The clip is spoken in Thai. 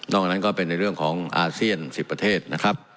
อันนั้นก็เป็นในเรื่องของอาเซียน๑๐ประเทศนะครับ